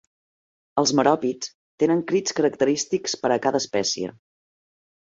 Els meròpids tenen crits característics per a cada espècie.